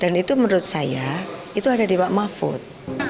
dan itu menurut saya itu ada di wak mahfud